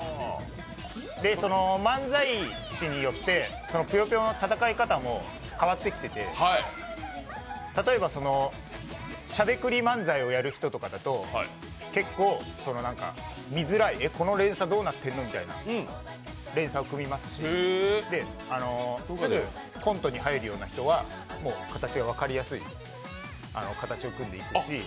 その漫才師によって、ぷよぷよの戦い方も変わってきてて例えばしゃべくり漫才をやる人とかだと見づらい、この連鎖どうなってんのみたいな連鎖を組みますしすぐコントに入るような人は、形が分かりやすい形を組んでいるし。